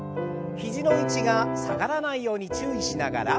肘の位置が下がらないように注意しながら。